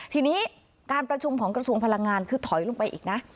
ทีนี้การประชุมของกระทรวงพลังงานคือถอยลงไปอีกนะ